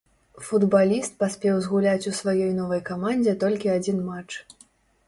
Футбаліст паспеў згуляць у сваёй новай камандзе толькі адзін матч.